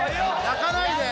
泣かないで！